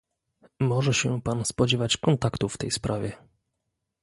Może się pan spodziewać kontaktu w tej sprawie